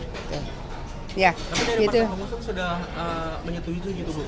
tapi dari masa kemudian sudah menyatui itu gitu bu